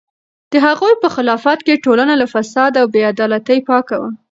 د هغوی په خلافت کې ټولنه له فساد او بې عدالتۍ پاکه وه.